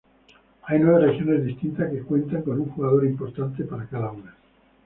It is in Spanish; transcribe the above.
Hay nueve regiones distintas que cuentan con un jugador importante para cada una.